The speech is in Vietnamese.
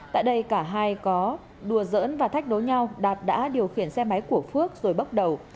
tại đây cả hai có đùa dỡn và thách đối nhau đạt đã điều khiển xe máy của phước rồi bốc đầu